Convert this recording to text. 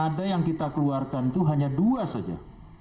ada yang kita keluarkan itu hanya dua saja